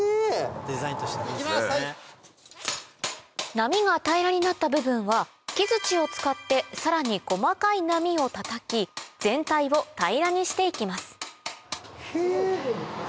波が平らになった部分は木づちを使ってさらに細かい波をたたき全体を平らにしていきますひ！